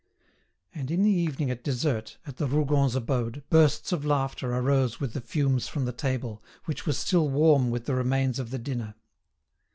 And in the evening at dessert, at the Rougons' abode, bursts of laughter arose with the fumes from the table, which was still warm with the remains of the dinner.